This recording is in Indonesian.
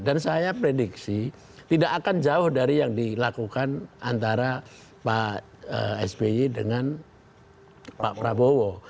dan saya prediksi tidak akan jauh dari yang dilakukan antara pak sby dengan pak prabowo